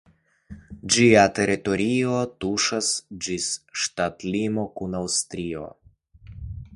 Ĝia teritorio tuŝas ĝis ŝtatlimo kun Aŭstrio.